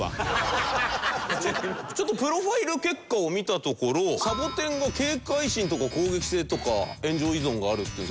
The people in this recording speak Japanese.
ちょっとプロファイル結果を見たところサボテンが警戒心とか攻撃性とか炎上依存があるという。